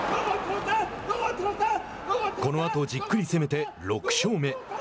このあと、じっくり攻めて６勝目。